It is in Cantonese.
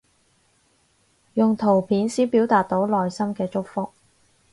用圖片先表達到內心嘅祝福